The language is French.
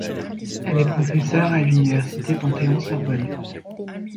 Elle est professeure à l'université Panthéon-Sorbonne.